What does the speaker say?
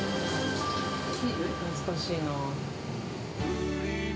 懐かしいなぁ。